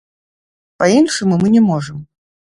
Па-іншаму мы не можам.